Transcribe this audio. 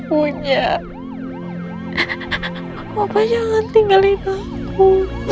punya bapak jangan tinggalin aku